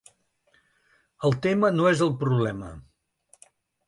El tema no és el problema.